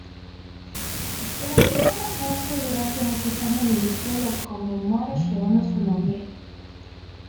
El hospital local, que durante muchos años dirigió, lo conmemora llevando su nombre.